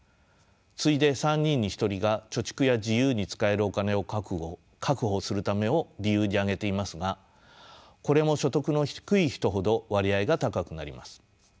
次いで３人に１人が貯蓄や自由に使えるお金を確保するためを理由に挙げていますがこれも所得の低い人ほど割合が高くなります。